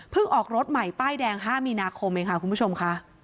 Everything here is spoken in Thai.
ออกรถใหม่ป้ายแดง๕มีนาคมเองค่ะคุณผู้ชมค่ะ